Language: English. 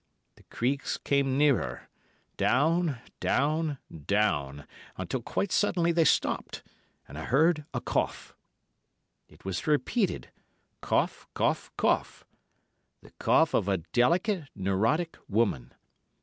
The creaks came nearer—down, down, down, until quite suddenly they stopped, and I heard a cough. "It was repeated—cough, cough, cough. The cough of a delicate, neurotic woman.